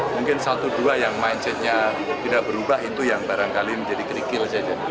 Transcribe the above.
mungkin satu dua yang mindsetnya tidak berubah itu yang barangkali menjadi kerikil